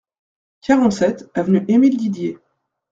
quarante-sept avenue Émile Didier